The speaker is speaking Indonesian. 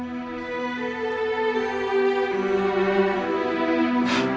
karena syarat berangkat itu minimal lulus smp